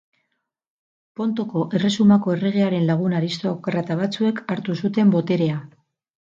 Pontoko Erresumako erregearen lagun aristokrata batzuek hartu zuten boterea.